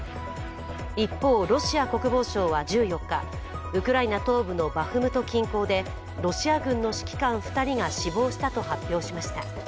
一方、ロシア国防省は１４日ウクライナ東部のバフムト近郊でロシア軍の指揮官２人が死亡したと発表しました。